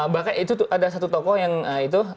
bahkan itu ada satu tokoh yang itu